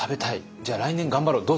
じゃあ来年頑張ろう。